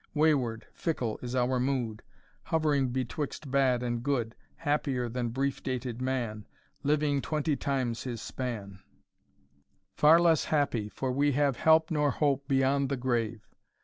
Wayward, fickle is our mood, Hovering betwixt bad and good, Happier than brief dated man, Living twenty times his span; Far less happy, for we have Help nor hope beyond the grave!